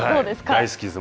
大好きです。